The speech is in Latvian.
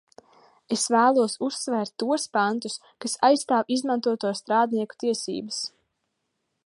Es vēlos uzsvērt tos pantus, kas aizstāv izmantoto strādnieku tiesības.